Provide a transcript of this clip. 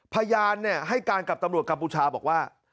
พยานให้การกับตำรวจกัมพูชาบอกว่า